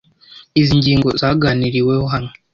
Izi ngingo zaganiriweho hamwe.